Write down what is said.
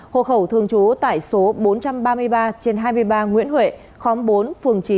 hộ khẩu thường trú tại số bốn trăm ba mươi ba trên hai mươi ba nguyễn huệ khóm bốn phường chín